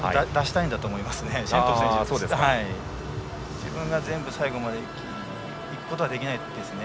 自分が全部、最後までいくことはできないですね。